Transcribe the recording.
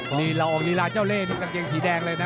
นี่เราอองลิระเจ้าเล๊นี่แดงเลยนะ